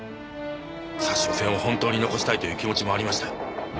札沼線を本当に残したいという気持ちもありました。